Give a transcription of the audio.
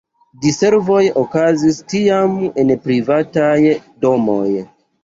Diservoj okazis tiam en privataj domoj.